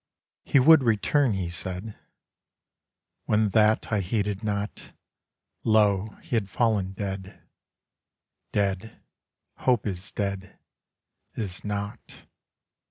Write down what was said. He would return, he said. When that I heeded not, Lo, he had fallen dead. Dead; Hope is dead; is not.